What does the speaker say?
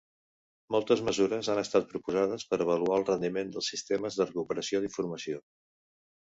Moltes mesures han estat proposades per avaluar el rendiment dels sistemes de recuperació d'informació.